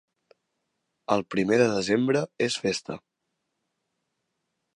El primer de desembre és festa.